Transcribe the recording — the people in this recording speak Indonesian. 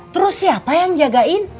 terus siapa yang jagain